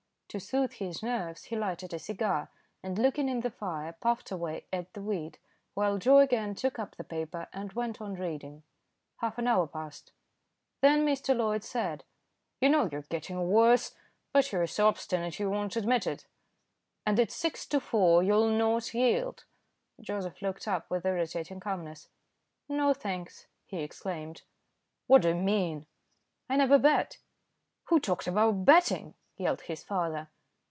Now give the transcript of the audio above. To soothe his nerves he lighted a cigar, and looking in the fire puffed away at the weed, while Joe again took up the paper and went on reading. Half an hour passed. Then Mr. Loyd said, "You know you're getting worse, but you're so obstinate you won't admit it, and it's six to four you'll not yield." Joseph looked up with irritating calmness. "No, thanks," he exclaimed. "What do you mean?" "I never bet." "Who talked about betting?" yelled his father.